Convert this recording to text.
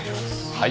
はい。